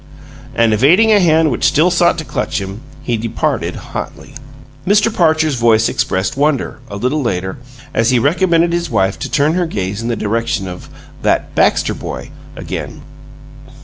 And evading a hand which still sought to clutch him, he departed hotly. ... Mr. Parcher's voice expressed wonder, a little later, as he recommended his wife to turn her gaze in the direction of "that Baxter boy" again.